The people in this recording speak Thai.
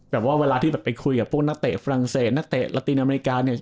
เวลาที่แบบไปคุยกับพวกนักเตะฝรั่งเศสนักเตะลาตินอเมริกาเนี่ย